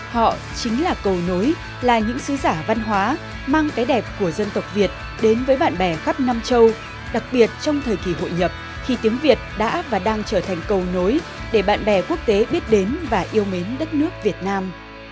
họ chính là cầu nối là những sứ giả văn hóa mang cái đẹp của dân tộc việt đến với bạn bè khắp nam châu đặc biệt trong thời kỳ hội nhập khi tiếng việt đã và đang trở thành cầu nối để bạn bè quốc tế biết đến và yêu mến đất nước việt nam